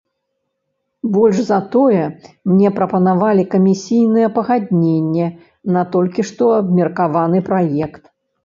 Больш за тое, мне прапанавалі камісійнае пагадненне на толькі што абмеркаваны праект.